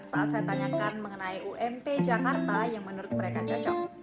saat saya tanyakan mengenai ump jakarta yang menurut mereka cocok